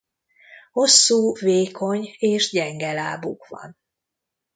Hosszú vékony és gyenge lábuk van.